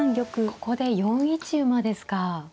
ここで４一馬ですか。